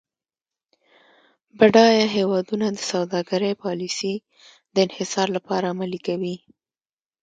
بډایه هیوادونه د سوداګرۍ پالیسي د انحصار لپاره عملي کوي.